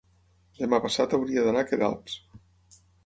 demà passat hauria d'anar a Queralbs.